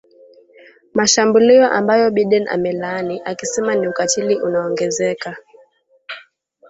mashambulio ambayo Biden amelaani akisema ni ukatili unaoongezeka